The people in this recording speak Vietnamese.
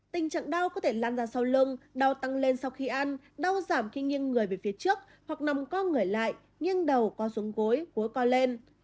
tình trạng đau có thể lan ra sau lưng đau tăng lên sau khi ăn đau giảm khi nghiêng người về phía trước hoặc nằm co người lại nghiêng đầu có xuống gối cuối con lên